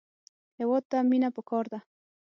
هېواد ته مینه پکار ده